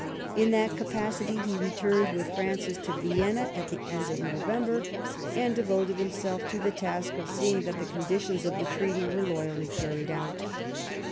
In that capacity he returned with Francis to Vienna at the end of November, and devoted himself to the task of seeing that the conditions of the treaty were loyally carried out.